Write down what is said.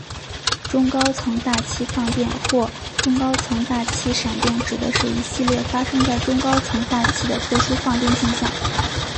中高层大气放电或中高层大气闪电指的是一系列发生在中高层大气的特殊放电现象。